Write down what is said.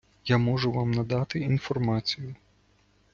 Я можу вам надати інформацію.